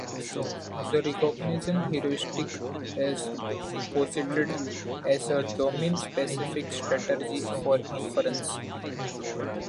The recognition heuristic is posited as a domain-specific strategy for inference.